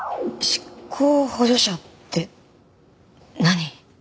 執行補助者って何？